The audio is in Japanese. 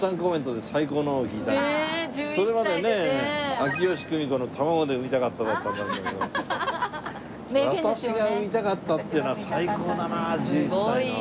秋吉久美子の「卵で産みたかった」だったんだけども。私が産みたかったっていうのは最高だな１１歳の。